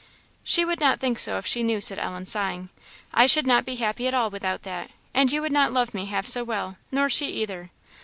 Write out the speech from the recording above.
"She would not think so if she knew," said Ellen, sighing. "I should not be happy at all without that, and you would not love me half so well, nor she either.